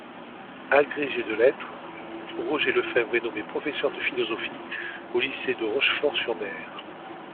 Agrégé de lettres, Roger Lefèvre est nommé professeur de philosophie au lycée de Rochefort-sur-Mer.